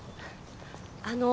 あの。